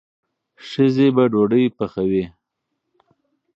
ښځې به ډوډۍ پخوي.